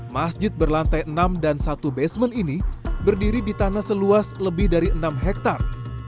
masjid berlantai enam dan satu basement ini berdiri di tanah seluas lebih dari enam hektare